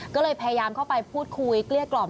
ก็เลยพยายามเข้าไปพูดคุยเกลี้ยกล่อม